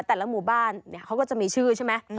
แต่ละหมู่บ้านเขาก็จะมีชื่อใช่ไหม